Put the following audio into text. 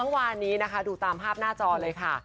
เมื่อวานนี้นะคะดูตามภาพหน้าจอเลยค่ะ